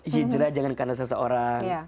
hijrah jangan karena seseorang